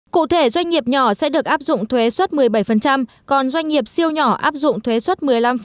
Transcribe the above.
cụ thể doanh nghiệp nhỏ sẽ được áp dụng thuế xuất một mươi bảy còn doanh nghiệp siêu nhỏ áp dụng thuế xuất một mươi năm